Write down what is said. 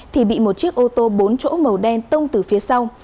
thì bị một chiếc ô tô bốn chỗ màu đen tông từ phía sau